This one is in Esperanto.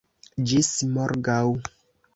Ĝis morgaŭ!